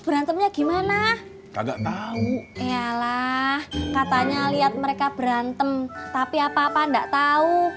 berantemnya gimana kagak tahu yalah katanya lihat mereka berantem tapi apa apa enggak tahu